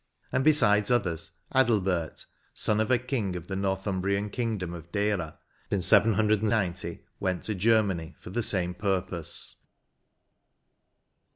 And, besides others, Adalbert, son of a king of the Northumbriam kingdom of Deira, in 790, went to Germany for the same purpose.